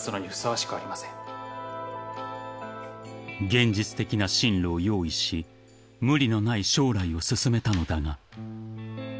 ［現実的な進路を用意し無理のない将来を勧めたのだが］